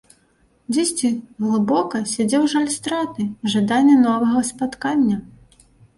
Дзесьці глыбока сядзеў жаль страты, жаданне новага спаткання.